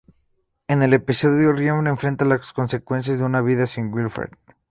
En el episodio, Ryan enfrenta las consecuencias de una vida sin Wilfred.